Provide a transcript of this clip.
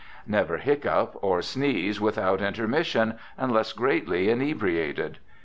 Never hiccough or sneeze without intermission, unless greatly inebriated.